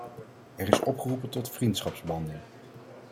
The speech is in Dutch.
Er is opgeroepen tot vriendschapsbanden.